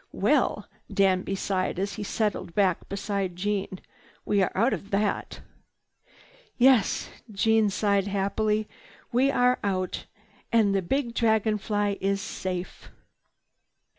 "Well," Danby sighed as he settled back beside Jeanne, "we are out of that." "Yes," Jeanne sighed happily. "We are out, and the big Dragon Fly is safe!"